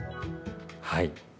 はい。